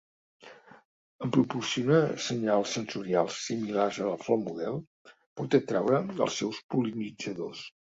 En proporcionar senyals sensorials similars a la flor model, pot atraure els seus pol·linitzadors.